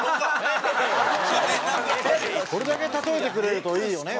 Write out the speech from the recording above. これだけ例えてくれるといいよね。